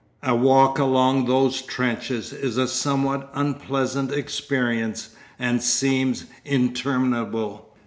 A walk along those trenches is a somewhat unpleasant experience and seems interminable.